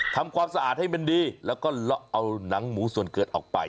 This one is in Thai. ทำความสะอาดให้มันดีแล้วก็เลาะเอาหนังหมูส่วนเกิดออกไป